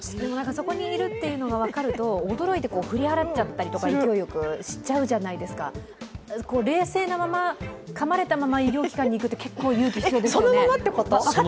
そこにいるというのが分かると、驚いて振り払っちゃったりしちゃうじゃないですか、冷静なまま、かまれたまま医療機関に行くって、勇気ありますよね。